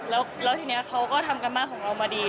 แล้วทีนี้เขาก็ทำการบ้านของเรามาดี